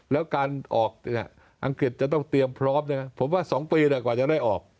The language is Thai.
แล้วการออกอังกฤษจะต้องเตรียมพร้อมผมว่า๒ปีกว่าจะได้ออก